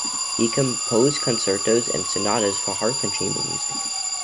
He composed concertos and sonatas for harp and chamber music.